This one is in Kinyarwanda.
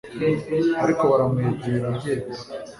Ariko baramwegera agenda